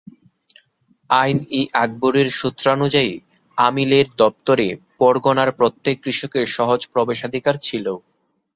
আইন-ই আকবরীর সূত্রানুযায়ী, আমিল-এর দপ্তরে পরগণার প্রত্যেক কৃষকের সহজ প্রবেশাধিকার ছিল।